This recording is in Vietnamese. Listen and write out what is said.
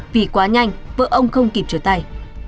vì quá nhanh vợ ông không kịp trở tài